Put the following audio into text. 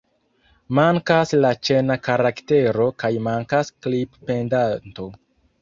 Mankas la ĉena karaktero kaj mankas "klip-pendanto".